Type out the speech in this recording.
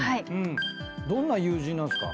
どんな友人なんですか？